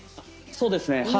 そうですね。